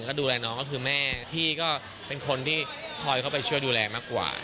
ก็ดูแลน้องก็คือแม่พี่ก็เป็นคนที่คอยเข้าไปช่วยดูแลมากกว่า